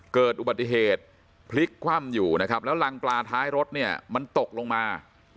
เกิดอุบัติเหตุพลิกคว่ำอยู่นะครับแล้วรังปลาท้ายรถเนี่ยมันตกลงมา